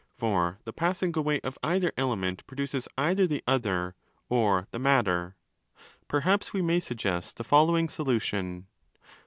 For the passing away of either ' element' oe either the other or the matter. Perhaps we may suggest the following solution.